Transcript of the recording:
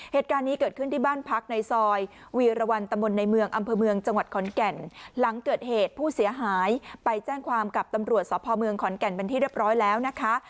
เหตุการณ์นี้เกิดขึ้นที่บ้านพักในซอยวีรวรรณตะมนต์ในเมืองอำเภอเมืองจังหวัดขอนแก่นหลังเกิดเหตุผู้เสียหายไปแจ้งความกับตำรวจสพเมืองขอนแก่นเป็นที่เรียบร้อยแล้วนะคะ